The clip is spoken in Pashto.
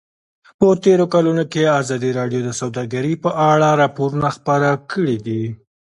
په تېرو کلونو کې ازادي راډیو د سوداګري په اړه راپورونه خپاره کړي دي.